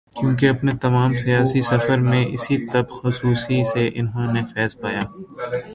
کیونکہ اپنے تمام سیاسی سفر میں اسی طب خصوصی سے انہوں نے فیض پایا۔